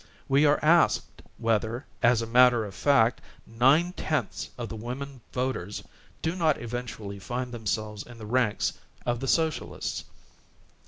We are asked whether, as a matter of fact, nine tenths of the women voters do not eventually find themselves in the ranks of the So cialists.